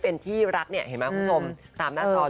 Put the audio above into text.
เป็นละครรีเมตต์จากเกาหลี